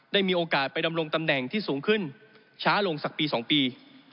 ได้มีโอกาสไปดำรงตำแหน่งที่สูงขึ้นช้าลงสักปี๒ปี